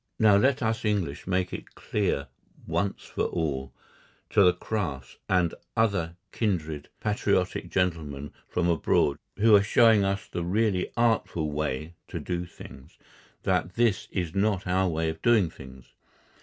Now let us English make it clear, once for all, to the Krafts and other kindred patriotic gentlemen from abroad who are showing us the really artful way to do things, that this is not our way of doing things.